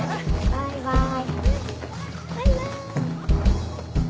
バイバイ！